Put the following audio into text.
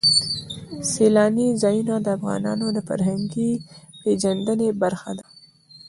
سیلانی ځایونه د افغانانو د فرهنګي پیژندنې برخه ده.